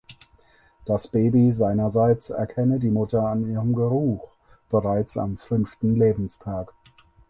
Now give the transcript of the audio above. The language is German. Das Baby seinerseits erkenne die Mutter an ihrem Geruch bereits am fünften Lebenstag.